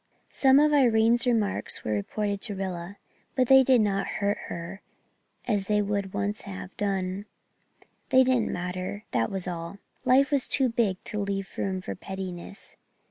Some of Irene's remarks were reported to Rilla; but they did not hurt her as they would once have done. They didn't matter, that was all. Life was too big to leave room for pettiness.